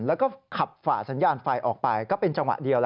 แล้วก็ขับฝ่าสัญญาณไฟออกไปก็เป็นจังหวะเดียว